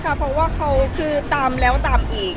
เพราะว่าเขาคือตามแล้วตามอีก